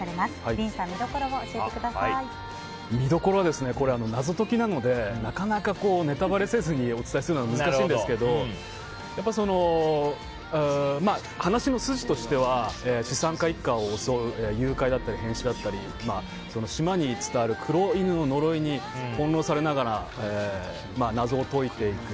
ディーンさん見どころはこれは謎解きなのでなかなかネタバレせずにお伝えすることは難しいんですけど話の筋としては資産家一家を襲う誘拐だったり変死だったり島に伝わる黒犬の呪いに翻弄されながら謎を解いていく。